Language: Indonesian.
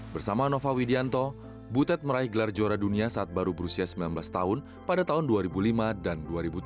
bersama nova widianto butet meraih gelar juara dunia saat baru berusia sembilan belas tahun pada tahun dua ribu lima dan dua ribu tujuh